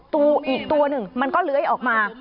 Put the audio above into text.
ตัวอีกตัวหนึ่งมันก็เลื้อยออกมา